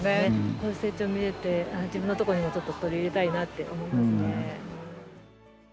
ここで成長見れて自分のとこにもちょっと取り入れたいなって思いますね。